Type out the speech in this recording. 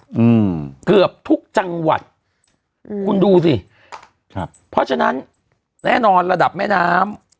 อืมเกือบทุกจังหวัดอืมคุณดูสิครับเพราะฉะนั้นแน่นอนระดับแม่น้ำ